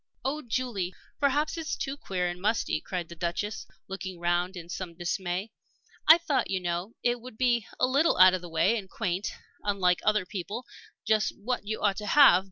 "Oh, Julie, perhaps it's too queer and musty!" cried the Duchess, looking round her in some dismay. "I thought, you know, it would be a little out of the way and quaint unlike other people just what you ought to have.